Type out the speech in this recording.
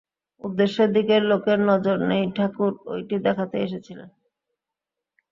উদ্দেশ্যের দিকে লোকের নজর নেই, ঠাকুর ঐটি দেখাতেই এসেছিলেন।